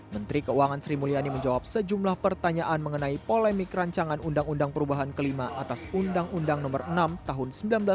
menteri keuangan sri mulyani menjawab sejumlah pertanyaan mengenai polemik rancangan undang undang perubahan kelima atas undang undang nomor enam tahun seribu sembilan ratus sembilan puluh